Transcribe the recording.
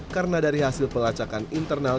karena dari hasil pelacakan internal